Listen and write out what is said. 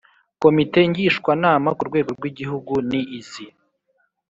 komite ngishwanama ku rwego rwigihugu ni izi